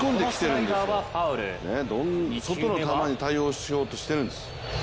外の球に対応しようとしているんです。